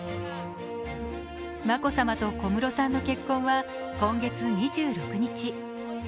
眞子さまと小室さんの結婚は今月２６日。